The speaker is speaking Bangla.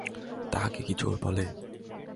তাহাকে কি জোর বলে।